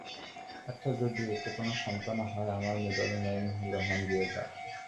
আচ্ছা, যদি এতে কোন সান্ত্বনা হয়, আমার মিডল নেইম হল হেনরিয়েটা।